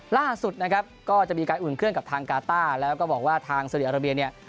ล่าสุดนะครับก็จะมีการอุ่นเครื่องกับทางกาต้าแล้วก็บอกว่าทางซาดีอาราเบียเนี่ย